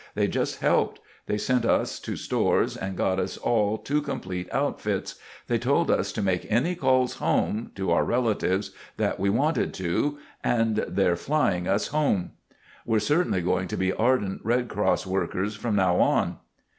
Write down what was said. They just helped. They sent us to stores and got us all two complete outfits. They told us to make any calls home—to our relatives—that we wanted to. And they're flying us home. "We're certainly going to be ardent Red Cross workers from now on!"